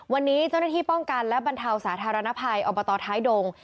วันนี้เจ้าหน้าที่ป้องกันและบรรเทาสาธารณภัยอบตท้ายดง